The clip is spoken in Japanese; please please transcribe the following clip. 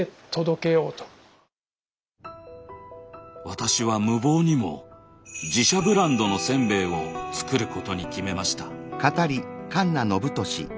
私は無謀にも自社ブランドのせんべいを作ることに決めました。